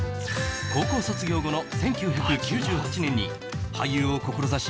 高校卒業後の１９９８年に俳優を志し